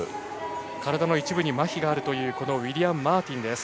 体の一部にまひがあるウィリアム・マーティン。